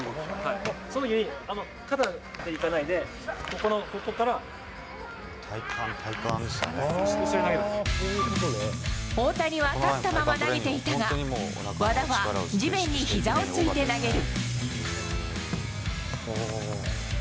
そのときに肩でいかないで、ここの、ここから、大谷は立ったまま投げていたが、和田は地面にひざをついて投げる。